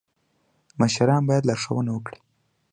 مشران باید لارښوونه وکړي